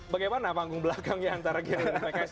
bagaimana panggung belakangnya antara gerindra dan pks